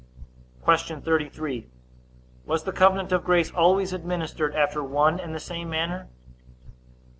Q. 33. Was the covenant of grace always administered after one and the same manner?